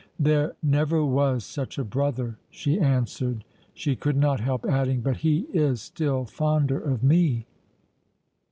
"There never was such a brother," she answered. She could not help adding, "But he is still fonder of me."